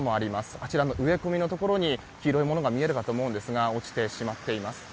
あちらの植え込みのところに黄色いものが見えるかと思いますが落ちてしまっています。